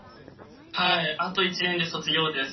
はいあと１年で卒業です。